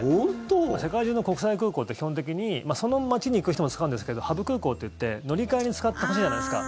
世界中の国際空港って、基本的にその街に行く人も使うんですけどハブ空港っていって、乗り換えに使ってほしいじゃないですか。